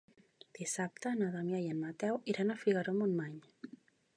Dissabte na Damià i en Mateu iran a Figaró-Montmany.